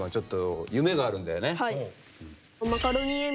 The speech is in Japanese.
はい。